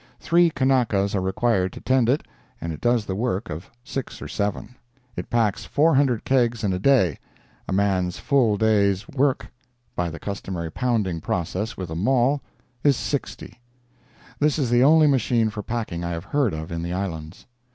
Three Kanakas are required to tend it, and it does the work of six or seven. It packs 400 kegs in a day; a man's full day's work by the customary pounding process with a maul, is 60. This is the only machine for packing I have heard of in the Islands.